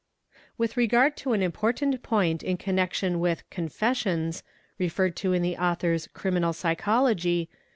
A fe With regard to an important point in connection with "Confessions," referred to in the author's ''Criminal Psychology ''